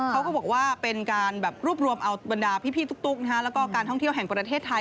เขาก็บอกว่าเป็นการแบบรวบรวมเอาบรรดาพี่ตุ๊กแล้วก็การท่องเที่ยวแห่งประเทศไทย